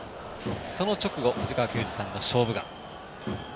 その直後藤川球児さんの「勝負眼」。